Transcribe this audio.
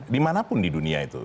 dimanapun di dunia itu